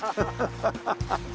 ハハハハ。